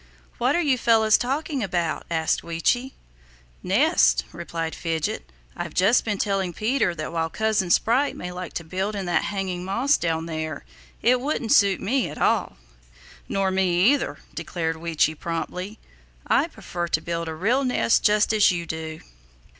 "What were you fellows talking about?" asked Weechi. "Nests," replied Fidget. "I've just been telling Peter that while Cousin Sprite may like to build in that hanging moss down there, it wouldn't suit me at all." "Nor me either," declared Weechi promptly. "I prefer to build a real nest just as you do.